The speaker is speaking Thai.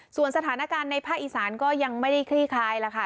ส่วนสถานการณ์ในภาคอีสานก็ยังไม่ได้คลี่คลายแล้วค่ะ